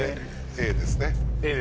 Ａですね。